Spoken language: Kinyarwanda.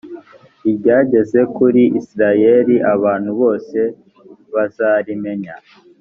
iryageze kuri isirayeli abantu bose bazarimenya